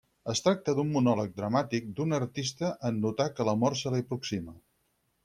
Es tracta d'un monòleg dramàtic d'un artista en notar que la mort se li aproxima.